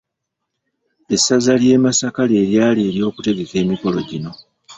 Essaza ly’e Masaka lye lyali eryokutegeka emikolo gino.